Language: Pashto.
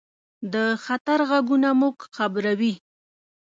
د خطر غږونه موږ خبروي.